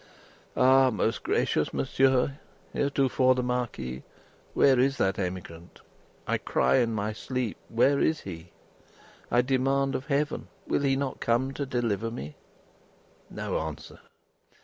"Ah! most gracious Monsieur heretofore the Marquis, where is that emigrant? I cry in my sleep where is he? I demand of Heaven, will he not come to deliver me? No answer.